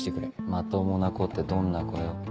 まともな子ってどんな子よ？